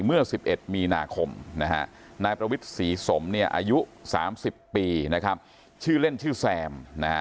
เมื่อ๑๑มีนาคมนายประวิทย์ศรีสมอายุ๓๐ปีชื่อเล่นชื่อแซม